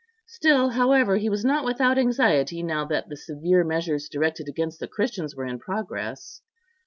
Still, however, he was not without anxiety, now that the severe measures directed against the Christians were in progress.